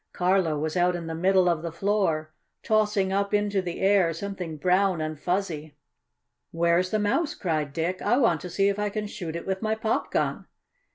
Carlo was out in the middle of the floor, tossing up into the air something brown and fuzzy. "Where's the mouse?" cried Dick. "I want to see if I can shoot it with my pop gun."